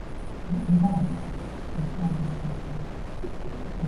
拍子同音準都好重要